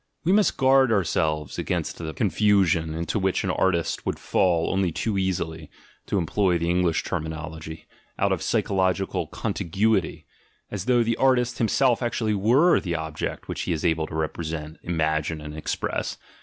We must guard ourselves against the confusion, into which an artist himself would fall only too easily (to em ploy the English terminology) out of psychological "con tiguity"; as though the artist' himself actually were the object which he is able to represent, imagine, and express.